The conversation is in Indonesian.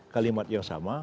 kalimat yang sama